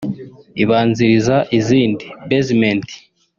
Ibanziriza izindi (Basement)